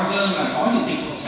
chưa đứng được